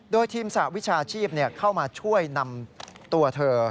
โดยทีมสหวิชาชีพเข้ามาช่วยนำตัวเธอ